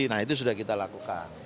nah itu sudah kita lakukan